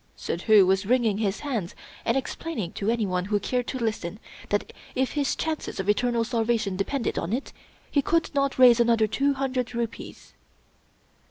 Suddhoo was wringing his hands and explaining to anyone who cared to listen, that, if his chances of eternal salvation depended on it, he could not raise another two hundred rupees.